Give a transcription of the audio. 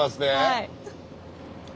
はい。